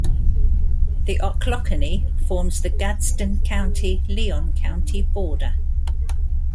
The Ochlockonee forms the Gadsden County-Leon County border.